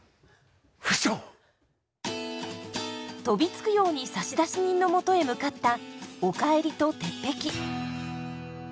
飛びつくように差出人のもとへ向かったおかえりと鉄壁。